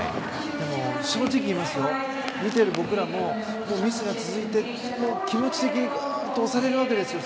正直に言いますと見ている僕らもミスが続いて気持ち的にグーンと押されるわけですよ。